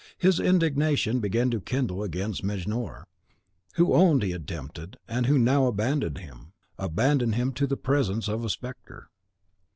His indignation began to kindle against Mejnour, who owned he had tempted, and who now abandoned him, abandoned him to the presence of a spectre.